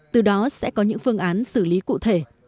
từ đó sẽ có những phương án xử lý cụ thể